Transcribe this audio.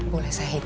boleh saya hitam